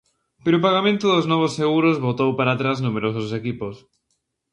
Pero o pagamento dos novos seguros botou para atrás numerosos equipos.